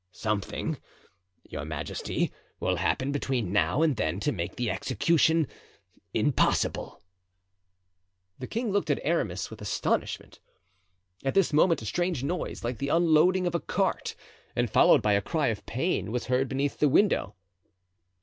"Something, your majesty, will happen between now and then to make the execution impossible." The king looked at Aramis with astonishment. At this moment a strange noise, like the unloading of a cart, and followed by a cry of pain, was heard beneath the window.